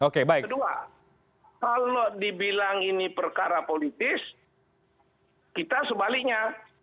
kedua kalau dibilang ini perkara politis kita sebaliknya